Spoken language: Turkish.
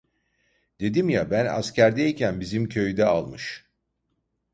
Dedim ya, ben askerdeyken bizim köyde almış.